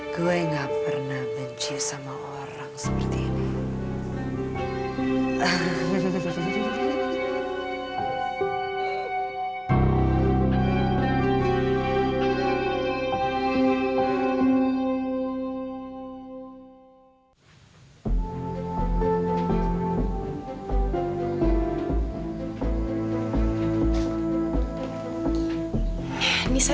gue gak pernah benci sama orang seperti ini